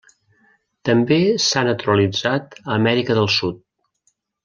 També s'ha naturalitzat a Amèrica del Sud.